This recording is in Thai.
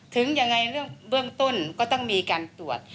ถึงยังไงเรื่องเบื้องต้นก็ต้องมีการตรวจ